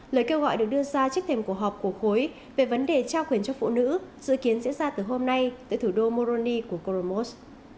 lời kêu gọi được đưa ra trước thềm cuộc họp của khối về vấn đề trao quyền cho phụ nữ dự kiến diễn ra từ hôm nay tại thủ đô moroni của coromos